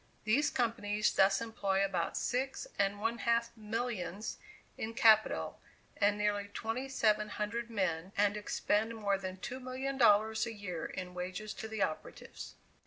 These companies thus employ about six and one half millions in capital, and nearly twenty seven hundred men, and expend more than $2,000,000 a year in wages to the operatives.